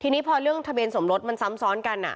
ทีนี้พอเรื่องทะเบียนสมรสมันซ้ำซ้อนกัน